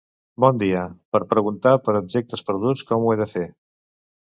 Bon dia, per preguntar per objectes perduts com ho he de fer?